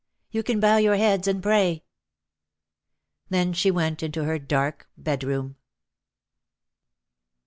"You can bow your heads and pray." Then she went into her dark bedroom.